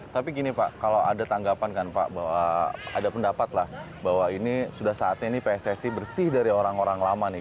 tapi gini pak kalau ada tanggapan kan pak bahwa ada pendapat lah bahwa ini sudah saatnya ini pssi bersih dari orang orang lama nih